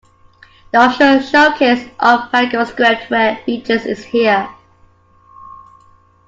The official showcase of Pango's script-aware features is here.